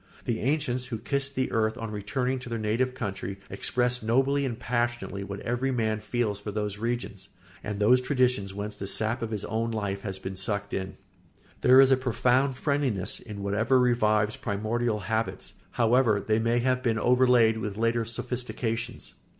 The ancients who kissed the earth on returning to their native country expressed nobly and passionately what every man feels for those regions and those traditions whence the sap of his own life has been sucked in. There is a profound friendliness in whatever revives primordial habits, however they may have been overlaid with later sophistications.